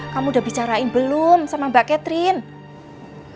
kamu udah bicarain belum sama mbak catherine